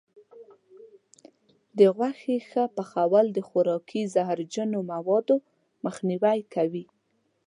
د غوښې ښه پخول د خوراکي زهرجنو موادو مخنیوی کوي.